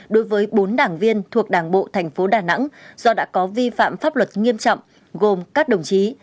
đối với bốn đảng viên thuộc đảng bộ thành phố đà nẵng do đã có vi phạm pháp luật nghiêm trọng gồm các đồng chí